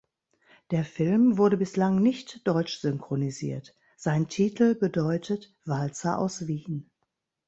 Der Film wurde bislang nicht deutsch synchronisiert; sein Titel bedeutet „Walzer aus Wien“.